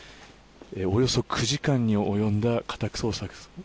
およそ９時間に及んだ家宅捜索。